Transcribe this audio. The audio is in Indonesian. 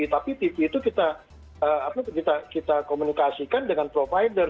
tapi tv itu kita komunikasikan dengan provider